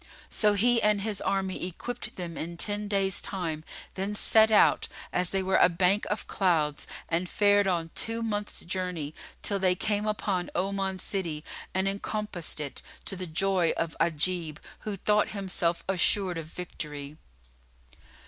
So he and his army equipped them in ten days' time, then set out, as they were a bank of clouds, and fared on two months' journey, till they came upon Oman city and encompassed it, to the joy of Ajib, who thought himself assured of victory.